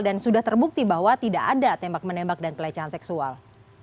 dan sudah terbukti bahwa tidak ada tembak menembak dan pelecehan seksual